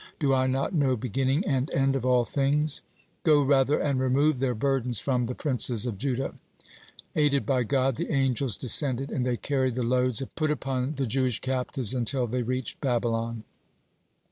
Do I not know beginning and end of all things? Go rather and remove their burdens from the princes of Judah." Aided by God the angels descended, and they carried the loads put upon the Jewish captives until they reached Babylon.